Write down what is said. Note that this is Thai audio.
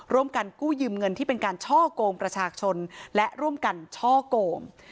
ร่วมกันกู้ยืมเงินที่เป็นการช่อกงประชาชนและร่วมกันช่อโกง